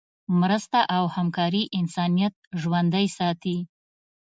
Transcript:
مرسته او همکاري انسانیت ژوندی ساتي.